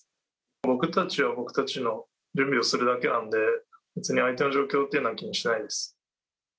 僕たちは僕たちの準備をするだけなんで、別に相手の状況というのは気にしてないです。